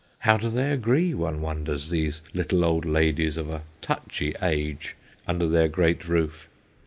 How do they agree, one wonders, these little old ladies of a touchy age under their great roof?